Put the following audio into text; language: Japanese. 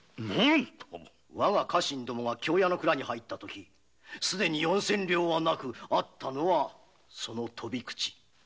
我が家臣が京屋の蔵に入った時すでに四千両はなくあったのはその「トビクチ」。